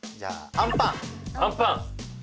あんぱん。